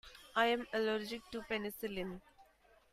I am allergic to penicillin.